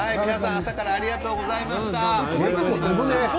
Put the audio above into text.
朝からありがとうございました。